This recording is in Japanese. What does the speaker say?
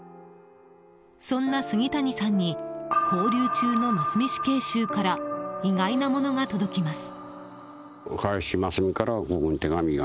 そんな杉谷さんに勾留中の真須美死刑囚から意外なものが届きます。